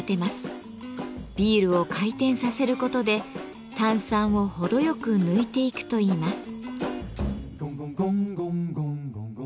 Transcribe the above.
ビールを回転させることで炭酸を程よく抜いていくといいます。